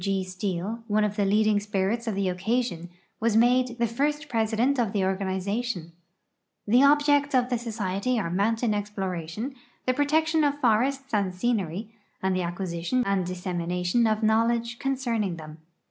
W. G. Steel, one of the leading spirits of the occasion, was made the first president of the organization. The objects of the society are mountain exploration, the protection of forests and scenery, and the acquisition and dissemination of knowledge concerning them.